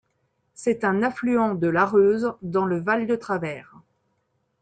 C'est un affluent de l'Areuse dans le Val de Travers.